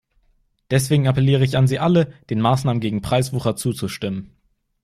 Deswegen appelliere ich an Sie alle, den Maßnahmen gegen Preiswucher zuzustimmen.